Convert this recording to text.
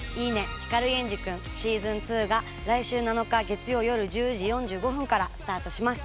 光源氏くんしずん２」が来週７日月曜よる１０時４５分からスタートします。